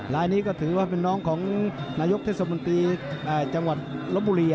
ไลนี่ก็ถือว่าน้องของนายกท่านทรมนตรีจังหวัดรบบุรี